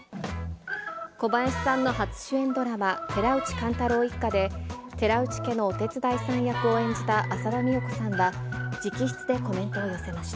小林さんの初主演ドラマ、寺内貫太郎一家で、寺内家のお手伝いさん役を演じた浅田美代子さんは、直筆でコメン